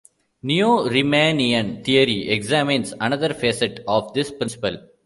Neo-Riemannian theory examines another facet of this principle.